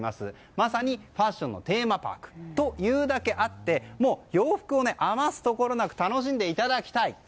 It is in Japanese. まさにファッションのテーマパークというだけあってもう、洋服を余すところなく楽しんでいただきたい。